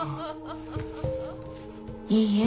いいえ。